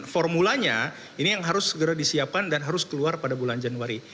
formulanya ini yang harus segera disiapkan dan harus keluar pada bulan januari